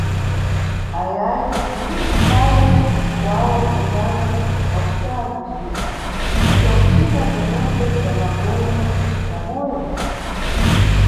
Ayayi kudziwisa mʼbale wawo winango wakusaya kudziwika, pa bzakucita bzomwebzo bza magonyo ya moyo?